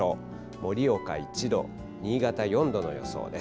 盛岡１度、新潟４度の予想です。